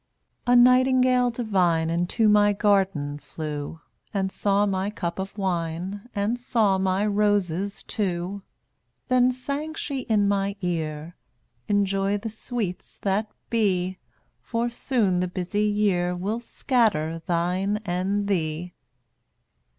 167 A nightingale divine Into my garden flew, And saw my cup of wine And saw my roses, too. Then sang she in my ear: "Enjoy the sweets that be, For soon the busy year Will scatter thine and thee."